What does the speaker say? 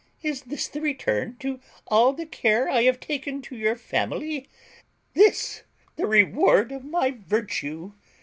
is this the return to all the care I have taken of your family? This the reward of my virtue?